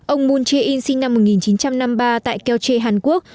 ông moon jae in sinh năm một nghìn chín trăm năm mươi ba tại keoche hàn quốc